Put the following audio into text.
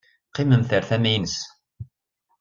Qqiment ɣer tama-nnes.